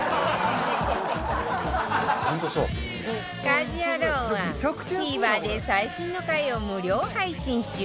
『家事ヤロウ！！！』は ＴＶｅｒ で最新の回を無料配信中